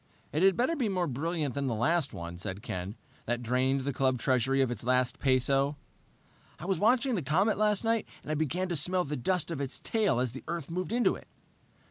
"It had better be more brilliant than the last one," said Ken. "That drained the club treasury of its last peso." "I was watching the comet last night, and I began to smell the dust of its tail as the Earth moved into it...."